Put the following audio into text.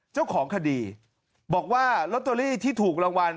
เจ้าของคดีบอกว่าลอตเตอรี่ที่ถูกรางวัล